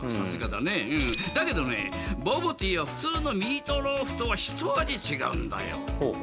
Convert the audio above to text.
だけどねボボティーは普通のミートローフとはひと味違うんだよ。